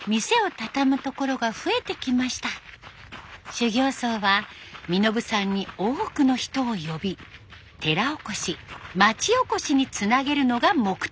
修行走は身延山に多くの人を呼び寺おこし町おこしにつなげるのが目的。